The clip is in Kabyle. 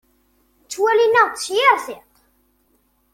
Ttwalin-aɣ-d s yir tiṭ.